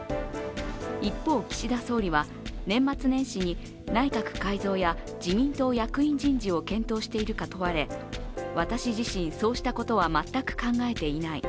一方、岸田総理は、年末年始に内閣改造や自民党役員人事を検討しているか問われ、私自身、そうしたことは全く考えていない